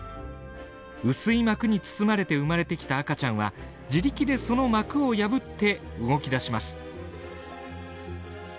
薄い膜に包まれて生まれてきた赤ちゃんは自力でその膜を破って動きだします。